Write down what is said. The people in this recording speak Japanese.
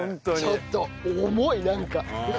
ちょっと重いなんか。